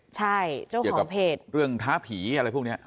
ใช่เจ้าของเพจเกี่ยวกับเรื่องท้าผีอะไรพวกเนี้ย